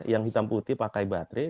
yang hitam putih pakai baterai